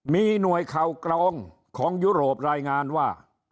มีหน่วยข่าวกรองของยุโรปรายงานว่า